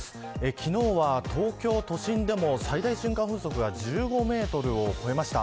昨日は東京都心でも最大瞬間風速が１５メートルを超えました。